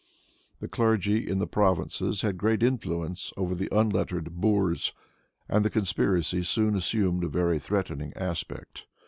The clergy in the provinces had great influence over the unlettered boors, and the conspiracy soon assumed a very threatening aspect.